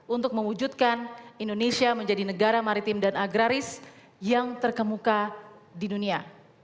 untuk mewujudkan indonesia menjadi negara maritim dan agraris yang terkemuka di dunia